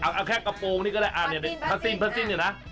เอาแค่กระโปรงนี้ก็ได้พันสิ้นอยู่นะ